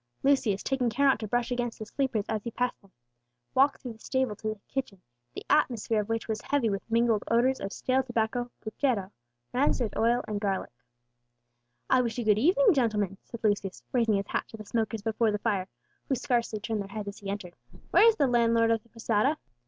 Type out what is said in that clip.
Lucius, taking care not to brush against the sleepers as he passed them, walked through the stable into the kitchen, the atmosphere of which was heavy with mingled odours of stale tobacco, puchero, rancid oil, and garlic. "I wish you good evening, gentlemen," said Lucius, raising his hat to the smokers before the fire, who scarcely turned their heads as he entered. "Where is the landlord of the posada?"